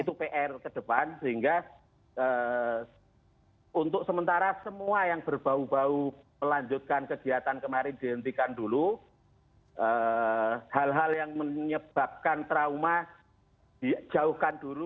itu pr ke depan sehingga untuk sementara semua yang berbau bau melanjutkan kegiatan kemarin dihentikan dulu hal hal yang menyebabkan trauma dijauhkan dulu